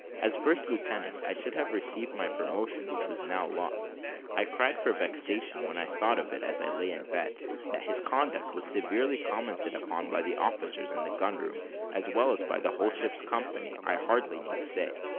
As first lieutenant, I should have received my promotion which was now lost. I cried for vexation when I thought of it as I lay in bed. That his conduct was severely commented upon by the officers in the gun room, as well as by the whole ship's company, I hardly need say.